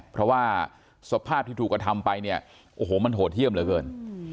เพราะว่าสภาพที่ถูกกระทำไปเนี่ยโอ้โหมันโหดเยี่ยมเหลือเกิน